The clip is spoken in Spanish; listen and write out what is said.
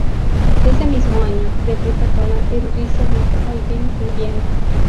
Ese mismo año, debuta con la "Eurídice" de Haydn en Viena.